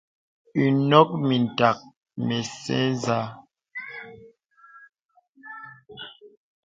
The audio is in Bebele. Ìnɔ̄k mìtak mə nɛn zâ.